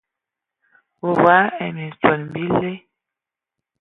Woe ai minson bibɛ.